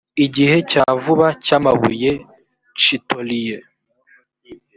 igihe cya vuba cy amabuye tshitoliye